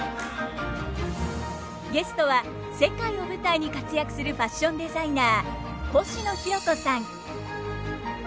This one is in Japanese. ゲストは世界を舞台に活躍するファッションデザイナーコシノヒロコさん。